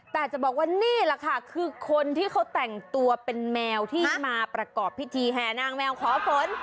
แต่จะบอกว่านี่แหละค่ะคือคนที่เขาแต่งตัวเป็นแมวที่มาประกอบพิธีแห่นางแมวขอฝน